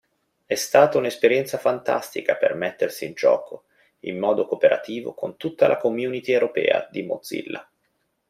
È stata una esperienza fantastica per mettersi in gioco in modo cooperativo con tutta la community Europea di Mozilla.